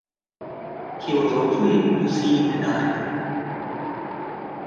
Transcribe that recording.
He was also able to see in the dark.